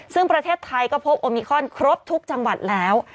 ซึ่งประเทศไทยก็พบโอมิคอนครบทุกจังหวัดแล้ว